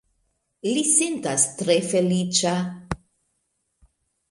Li sentas tre feliĉa